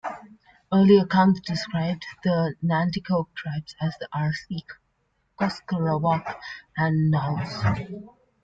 Early accounts described the Nanticoke tribes as the Arseek, Cuscarawoc, and Nause.